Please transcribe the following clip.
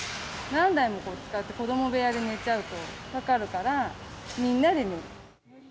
何台も使って子ども部屋で寝ちゃうとかかるから、みんなで寝る。